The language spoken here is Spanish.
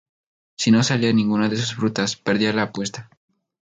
Si no salía ninguna de sus frutas, perdía la apuesta.